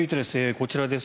こちらです。